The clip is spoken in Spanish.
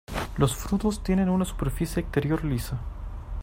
Los frutos tienen una superficie exterior lisa.